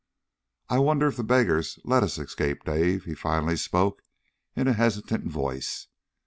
"I I wonder if the beggars let us escape, Dave?" he finally spoke in a hesitant voice.